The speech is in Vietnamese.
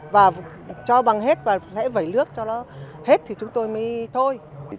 và cho bằng hết và sẽ vẩy nước cho nó hết thì chúng tôi mới thôi